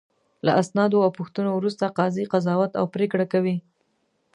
له اسنادو او پوښتنو وروسته قاضي قضاوت او پرېکړه کوي.